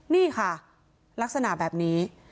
นี่ค่ะลักษณะแบบนี้